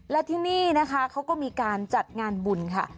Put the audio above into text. และที่นี่นะคะเขาก็มีการจัดงานบุญค่ะ